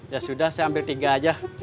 ya sudah saya ambil tiga aja